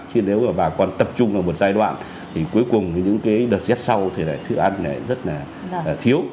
chứ nếu bà con tập trung vào một giai đoạn thì cuối cùng những cái đợt xét sau thì thức ăn này rất là thiếu